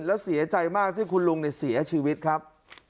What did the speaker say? แล้วเสียใจมากที่คุณลุงเสียชีวิตครับ